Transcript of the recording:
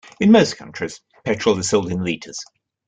In most countries, petrol is sold in litres